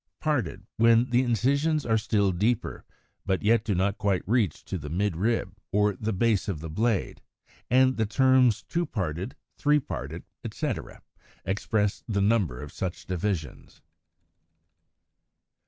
Parted, when the incisions are still deeper, but yet do not quite reach to the midrib or the base of the blade; as in Fig. 150, 154. And the terms two parted, three parted, etc., express the number of such divisions.